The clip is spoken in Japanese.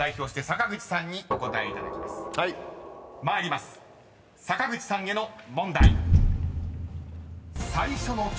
坂口さんへの問題］